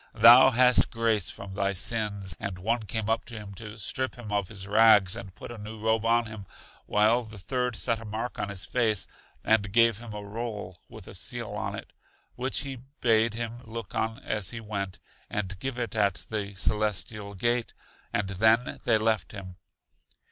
thou hast grace from thy sins. And one came up to him to strip him of his rags and put a new robe on him, while the third set a mark on his face, and gave him a roll with a seal on it, which he bade him look on as he went, and give it at The Celestial Gate; and then they left him.